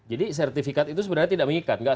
jadi sertifikat itu sebenarnya tidak mengikat